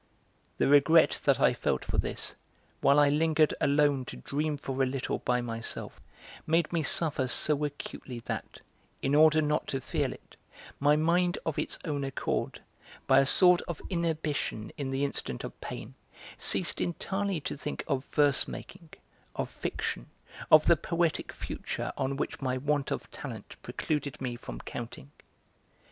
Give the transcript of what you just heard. The regret that I felt for this, while I lingered alone to dream for a little by myself, made me suffer so acutely that, in order not to feel it, my mind of its own accord, by a sort of inhibition in the instant of pain, ceased entirely to think of verse making, of fiction, of the poetic future on which my want of talent precluded me from counting.